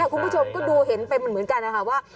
คุณผู้ชมก็ดูเห็นไปเหมือนกันนะคะว่า